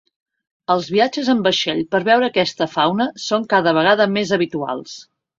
Els viatges en vaixell per veure aquesta fauna són cada vegada més habituals.